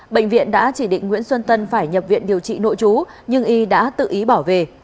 bệnh viện đã chỉ định nguyễn xuân tân phải nhập viện điều trị nội chú nhưng y đã tự ý bỏ về